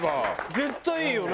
絶対いいよね。